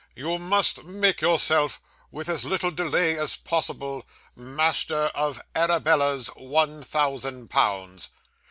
'You must make yourself, with as little delay as possible, master of Arabella's one thousand pounds.